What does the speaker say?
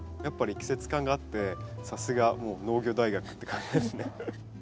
やっぱり季節感があってさすがもう農業大学って感じですね。